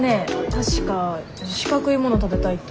確か四角いもの食べたいって言ってた。